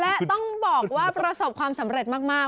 และต้องบอกว่าประสบความสำเร็จมาก